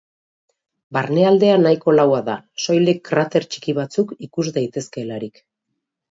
Barnealdea nahiko laua da, soilik krater txiki batzuk ikus daitezkeelarik.